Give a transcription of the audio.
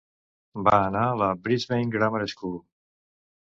Va anar a la Brisbane Grammar School.